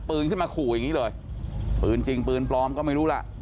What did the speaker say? ปืนขึ้นมาขู่อย่างนี้เลยปืนจริงปืนปลอมก็ไม่รู้ล่ะ